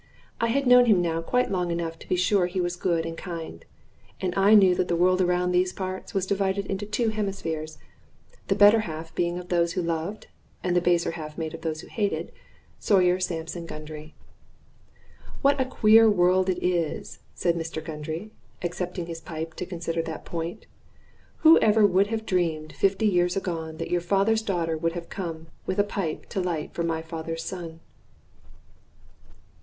I had known him now quite long enough to be sure he was good and kind. And I knew that the world around these parts was divided into two hemispheres, the better half being of those who loved, and the baser half made of those who hated, Sawyer Sampson Gundry. "What a queer world it is!" said Mr. Gundry, accepting his pipe to consider that point. "Who ever would have dreamed, fifty years agone, that your father's daughter would ever have come with a pipe to light for my father's son?"